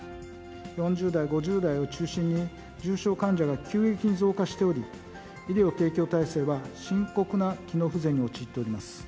４０代、５０代を中心に重症患者が急激に増加しており、医療提供体制は深刻な機能不全に陥っております。